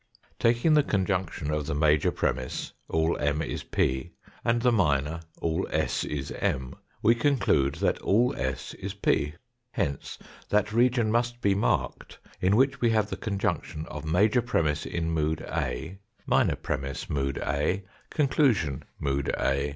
Taking the conjunction of the major premiss, all M is p, and the minor, all s is M, we conclude that all s is P. Hence, that region must be marked in which we have the conjunction of major premiss in mood A ; minor premiss, 94 THE fOtlKTH DIMENSION mood A ; conclusion, mood A.